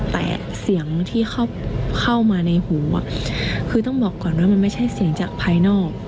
แต่เสียงที่เข้ามาในหูคือต้องบอกก่อนว่ามันไม่ใช่เสียงจากภายนอก